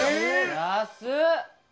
安っ！